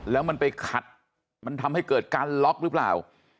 แล้วมันไปขัดมันทำให้เกิดการล็อกหรือเปล่า